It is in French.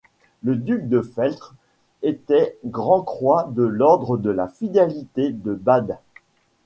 Le duc de Feltre était Grand-croix de l'ordre de la Fidélité de Bade.